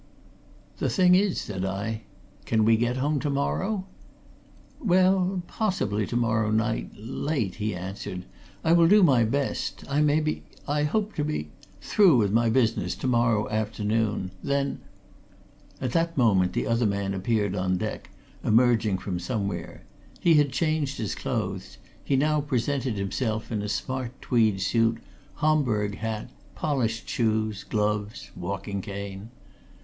"The thing is," said I. "Can we get home tomorrow?" "Well possibly tomorrow night late," he answered. "I will do my best. I may be I hope to be through with my business tomorrow afternoon. Then " At that moment the other man appeared on deck, emerging from somewhere. He had changed his clothes he now presented himself in a smart tweed suit, Homburg hat, polished shoes, gloves, walking cane.